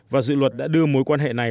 và dự luật đã đưa mối quan hệ này